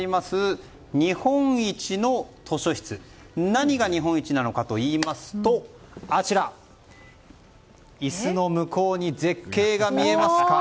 何が日本一なのかといいますとあちら椅子の向こうに絶景が見えますか。